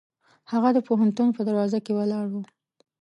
هغه د پوهنتون په دروازه کې ولاړ و.